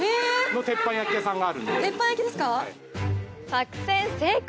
作戦成功！